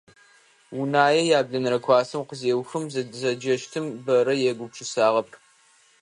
Унае яблэнэрэ классыр къызеухым, зэджэщтым бэрэ егупшысагъэп.